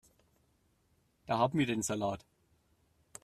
Da haben wir den Salat.